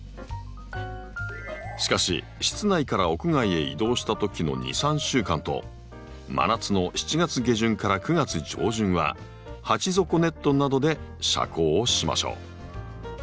しかし室内から屋外へ移動したときの２３週間と真夏の７月下旬から９月上旬は鉢底ネットなどで遮光をしましょう。